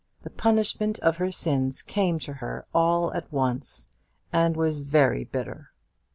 The punishment of her sin came to her all at once, and was very bitter. Mr.